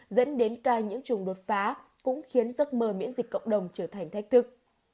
dẫn đến ca những chủng đột phá cũng khiến giấc mơ miễn dịch cộng đồng trở thành thách thức